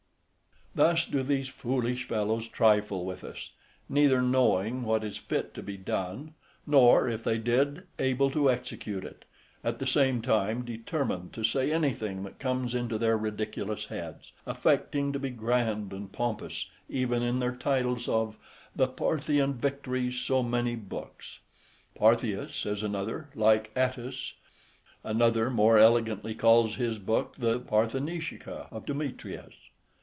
Thus do these foolish fellows trifle with us, neither knowing what is fit to be done, nor if they did, able to execute it, at the same time determined to say anything that comes into their ridiculous heads; affecting to be grand and pompous, even in their titles: of "the Parthian victories so many books;" Parthias, says another, like Atthis; another more elegantly calls his book the Parthonicica of Demetrius.